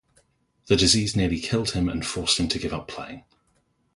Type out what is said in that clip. The disease nearly killed him and forced him to give up playing.